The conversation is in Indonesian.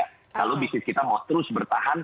kalau bisnis kita mau terus bertahan